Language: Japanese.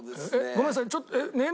ごめんなさい。